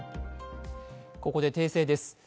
ここで訂正です。